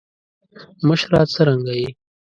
مشره څرنګه یی.